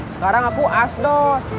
sekarang aku asdos